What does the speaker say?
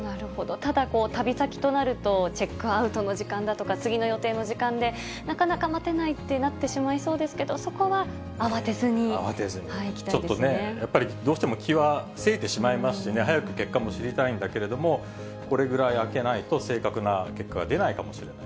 ただ、旅先となると、チェックアウトの時間だとか、次の予定の時間で、なかなか待てないってなってしまいそうですけど、そこは慌てずにちょっとね、やっぱりどうしても、気はせいてしまいますし、早く結果も知りたいんだけれども、これぐらいあけないと正確な結果が出ないかもしれない。